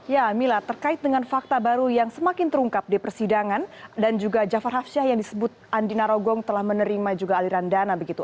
ya mila terkait dengan fakta baru yang semakin terungkap di persidangan dan juga jafar hafsyah yang disebut andi narogong telah menerima juga aliran dana begitu